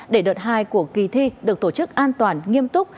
để đợt hai của kỳ thi được tổ chức an toàn nghiêm túc